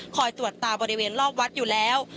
ตรวจตาบริเวณรอบวัดอยู่แล้ว